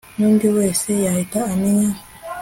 nundi wese yahita amenya